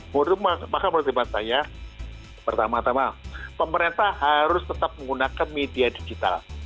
menurut saya pertama tama pemerintah harus tetap menggunakan media digital